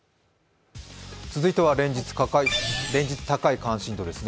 続いては連日高い関心度ですね。